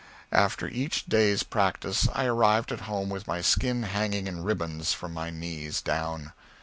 After each day's practice I arrived at home with my skin hanging in ribbons, from my knees down.